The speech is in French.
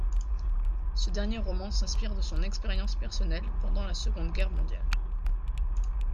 Ce dernier roman s'inspire de son expérience personnelle pendant la Seconde Guerre mondiale.